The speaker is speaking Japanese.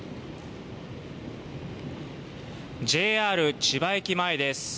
ＪＲ千葉駅前です。